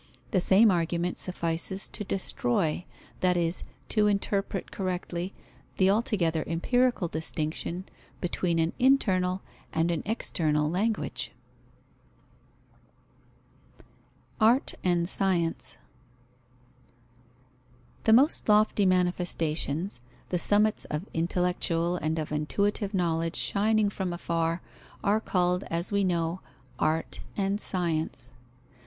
The same argument suffices to destroy, that is, to interpret correctly, the altogether empirical distinction between an internal and an external language. Art and science. The most lofty manifestations, the summits of intellectual and of intuitive knowledge shining from afar, are called, as we know, Art and Science.